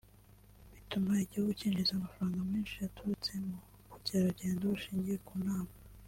bituma igihugu cyinjiza amafaranga menshi aturutse mu bukerarugendo bushingiye ku nama